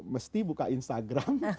mesti buka instagram